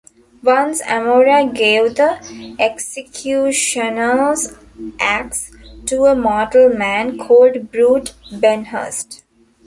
Once, Amora gave the Executioner's axe to a mortal man called Brute Benhurst.